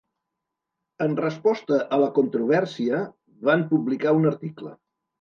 En resposta a la controvèrsia, van publicar un article.